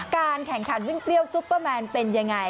การแข่งขันวิ่งเปรี้ยวซุปเปอร์แมนเป็นยังไง